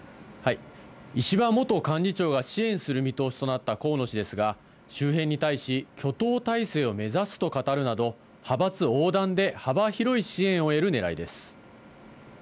石破元幹事長が支援する見通しとなった河野氏ですが、周辺に対し、挙党体制を目指すと語るなど、派閥横断で幅広い支援を得るねらいです。